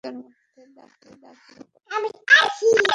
তোমার রহমতের মধ্যে দাখিল কর।